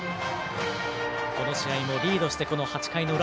この試合もリードして８回の裏。